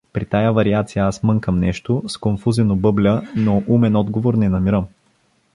При тая вариация аз мънкам нещо, сконфузено бъбля, но умен отговор не намирам.